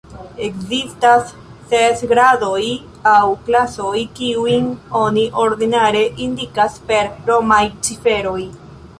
Ekzistas ses gradoj, aŭ klasoj, kiujn oni ordinare indikas per romaj ciferoj.